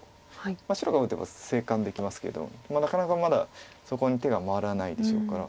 白が打てば生還できますけどもなかなかまだそこに手が回らないでしょうから。